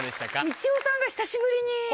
みちおさんが久しぶりに。